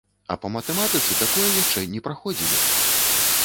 А па матэматыцы такое яшчэ не праходзілі!